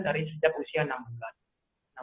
dari sejak usia enam bulan